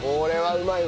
うまい。